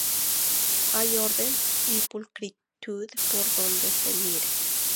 Hay orden y pulcritud por donde se mire.